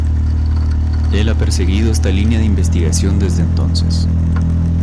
Él ha perseguido esta línea de investigación desde entonces.